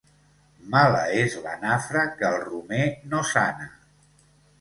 Mala és la nafra que el romer no sana.